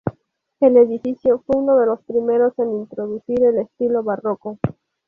El edificio fue uno de los primeros en introducir el estilo barroco.